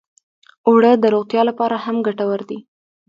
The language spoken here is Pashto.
اوړه د روغتیا لپاره هم ګټور دي